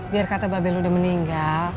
biar kata babel udah meninggal